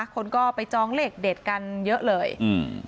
คนก็ไปจองเลขเด็ดกันเยอะเลยอืม